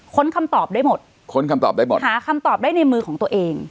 คำตอบได้หมดค้นคำตอบได้หมดหาคำตอบได้ในมือของตัวเอง